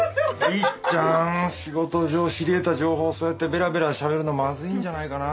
りっちゃん仕事上知り得た情報をそうやってベラベラしゃべるのまずいんじゃないかなあ。